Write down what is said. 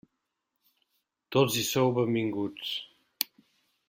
Tots hi sou benvinguts.